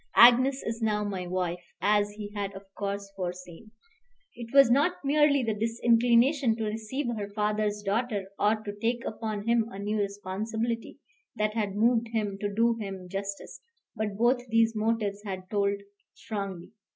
Agnes is now my wife, as he had, of course, foreseen. It was not merely the disinclination to receive her father's daughter, or to take upon him a new responsibility, that had moved him, to do him justice; but both these motives had told strongly.